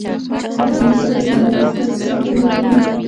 د پښتنو په کلتور کې د اودس تازه ساتل ښه دي.